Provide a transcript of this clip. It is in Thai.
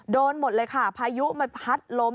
โดนหมดเลยค่ะพายุมันพัดลม